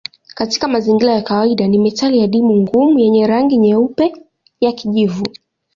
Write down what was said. Katika mazingira ya kawaida ni metali adimu ngumu yenye rangi nyeupe ya kijivu.